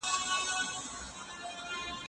که پیغلې درس ولولي نو بې کاره به نه وي.